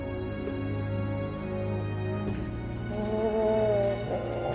お。